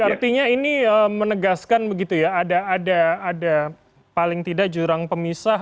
artinya ini menegaskan begitu ya ada paling tidak jurang pemisah